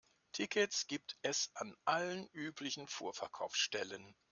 Tickets gibt es an allen üblichen Vorverkaufsstellen.